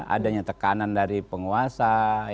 adanya tekanan dari penguasa